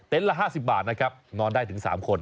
ละ๕๐บาทนะครับนอนได้ถึง๓คน